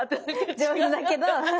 上手だけど。